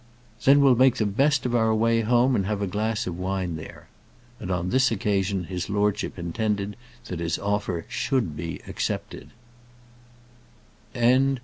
"Then we'll make the best of our way home, and have a glass of wine there." And on this occasion his lordship intended that his offer should be accepted.